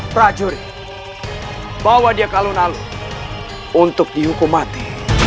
prajurit bawa dia ke alun alun untuk dihukum mati